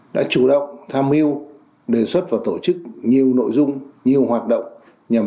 đã chủ động tham hiu đề xuất và tổ chức nhiều nội dung nhiều hoạt động